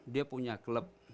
dia punya klub